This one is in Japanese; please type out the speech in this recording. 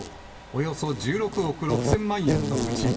およそ１６億６０００万円のうち